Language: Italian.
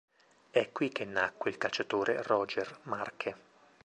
È qui che nacque il calciatore Roger Marche.